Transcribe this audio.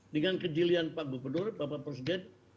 dengan kejelian pak gubernur bapak presiden